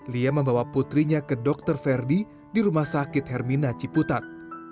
lia membawa putrinya ke dokter ferdi di rumah sakit hermina ciputat